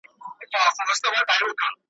شخي- شخي به شملې وي `